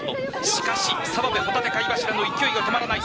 しかし、澤部帆立貝柱の勢いが止まらない。